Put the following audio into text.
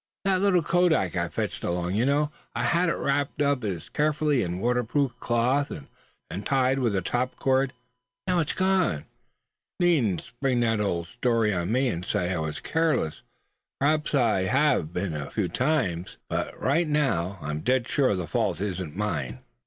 "That little kodak I fetched along; you know I had it wrapped so carefully in a waterproof cloth, and tied with top cord. Now it's gone! Needn't spring that old story on me, and say I was careless. P'raps I have been a few times; but right now I'm dead sure the fault ain't mine.